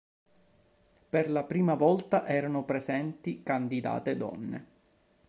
Per la prima volta erano presenti candidate donne.